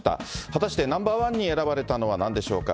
果たしてナンバー１に選ばれたのはなんでしょうか。